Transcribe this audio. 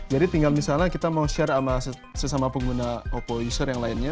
jadi tinggal misalnya kita mau share sama sesama pengguna oppo user yang lainnya